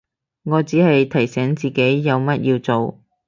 我只係提醒自己有乜要做